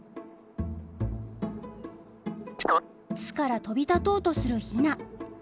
巣から飛び立とうとするヒナ。